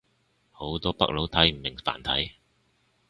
好多北佬睇唔明繁體